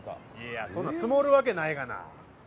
「いやそんなの積もるわけないがな」